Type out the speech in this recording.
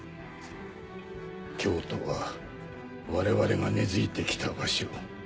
京都は我々が根付いて来た場所。